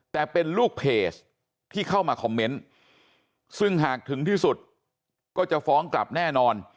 แต่เป็นลูกเพจที่เข้ามาคอมเมนต์ซึ่งหากถึงที่สุดก็จะฟ้องกลับแน่นอน